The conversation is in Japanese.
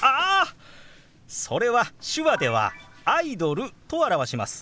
それは手話では「アイドル」と表します。